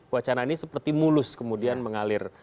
wacana ini seperti mulus kemudian mengalir